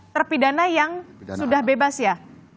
terpidana yang sudah bebas ya